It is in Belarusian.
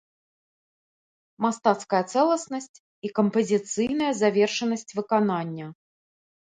Мастацкая цэласнасць і кампазіцыйная завершанасць выканання.